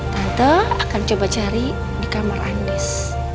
tante akan coba cari di kamar andis